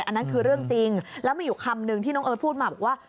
อันนั้นคือเรื่องจริงแล้วมีอยู่คำนึงที่น้องเอิร์ทพูดมาบอกว่า